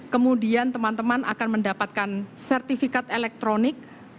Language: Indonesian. kemudian teman teman akan mendapatkan sertifikat elektronik